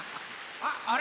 あっあれ？